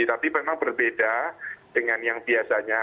tapi memang berbeda dengan yang biasanya